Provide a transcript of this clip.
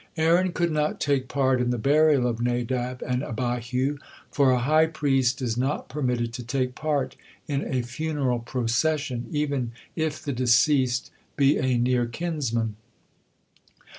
Aaron could not take part in the burial of Nadab and Abihu, for a high priest is not permitted to take part in a funeral procession, even if the deceased be a near kinsman.